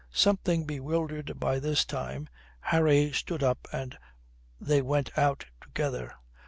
Something bewildered by this time, Harry stood up and they went out together.